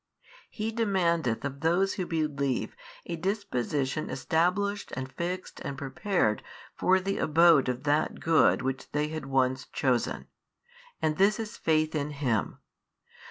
He demandeth of those who believe a disposition established and fixed and prepared for the abode of that good which they had once chosen. And this is faith in Him.